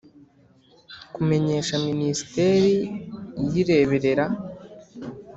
Kumenyesha minisiteri iyireberera